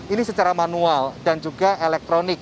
ini secara manual dan juga elektronik